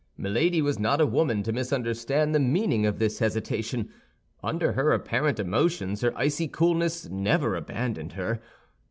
Milady was not a woman to misunderstand the meaning of this hesitation. Under her apparent emotions her icy coolness never abandoned her.